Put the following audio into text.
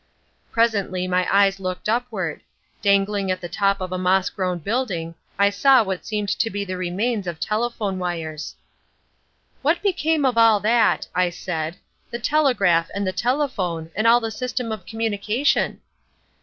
Presently my eyes looked upward: dangling at the top of a moss grown building I saw what seemed to be the remains of telephone wires. "What became of all that," I said, "the telegraph and the telephone and all the system of communication?"